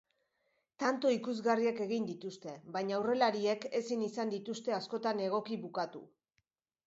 Tanto ikusgarriak egin dituzte, baina aurrelariek ezin izan dituzte askotan egoki bukatu.